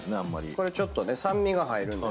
これちょっと酸味が入るんだね。